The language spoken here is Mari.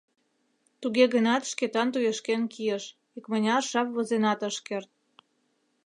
Туге гынат Шкетан туешкен кийыш, икмыняр жап возенат ыш керт.